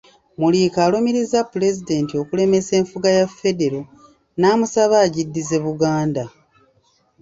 Muliika alumiriza Pulezidenti okulemesa enfuga ya Federo namusaba agiddize Buganda.